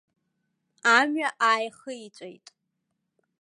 Амҩа ааихиҵәеит.